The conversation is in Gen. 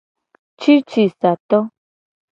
Cicisato.